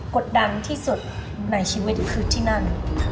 กดดันที่สุดในชีวิตคือที่นั่น